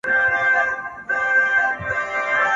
پر سر د دار خو د منصور د حق نعره یمه زه,